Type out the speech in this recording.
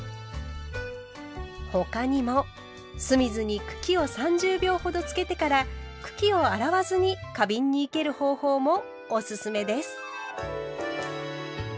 他にも酢水に茎を３０秒ほどつけてから茎を洗わずに花瓶に生ける方法もおすすめです。